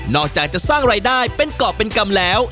อกจากจะสร้างรายได้เป็นกรอบเป็นกรรมแล้ว